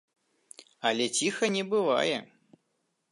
Але ціха не бывае.